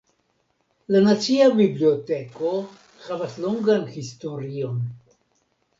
La Nacia Biblioteko havas longan historion.